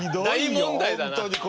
大問題だな。